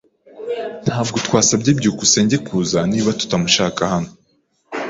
Ntabwo twasabye byukusenge kuza niba tutamushaka hano.